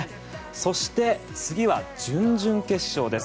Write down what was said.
そして次は準々決勝です。